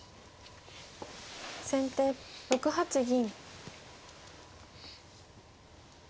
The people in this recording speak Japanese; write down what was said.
先手６八銀。